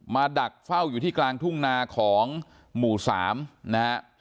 มาดักเฝ้าอยู่ที่กลางทุ่งนาของหมู่สามนะครับ